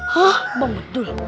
hah bang bedul